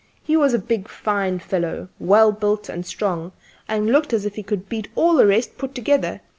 He was a fine big fellow, well built and strong, and looked as if he could beat all the rest put together.